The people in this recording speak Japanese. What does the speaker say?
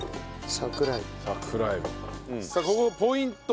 さあここポイントです。